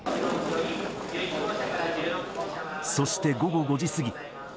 そして午後５時過ぎ。